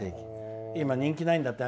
今、人気ないんだって。